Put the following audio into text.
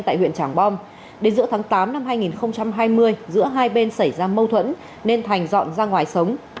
tại huyện trảng bom đến giữa tháng tám năm hai nghìn hai mươi giữa hai bên xảy ra mâu thuẫn nên thành dọn ra ngoài sống